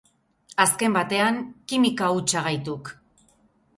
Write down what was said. Azken batean, kimika hutsa gaituk.